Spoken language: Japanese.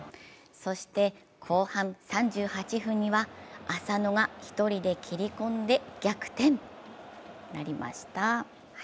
そして後半３８分には浅野が１人で切り込んで逆転となりました。